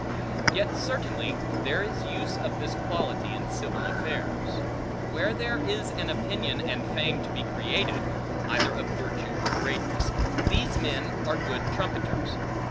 Yet certainly, there is use of this quality in civil affairs. Where there is an opinion and fame to be created, either of virtue or greatness, these men are good trumpeters.